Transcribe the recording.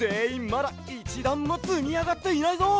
まだ１だんもつみあがっていないぞ。